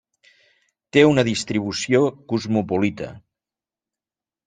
Té una distribució cosmopolita.